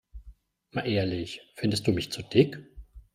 Mal ehrlich, findest du mich zu dick?